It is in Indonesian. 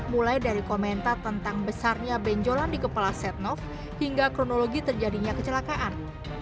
mulai dari komentar tentang besarnya benjolan di kepala setnov hingga kronologi terjadinya kecelakaan